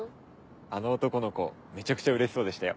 あの男の子めちゃくちゃうれしそうでしたよ。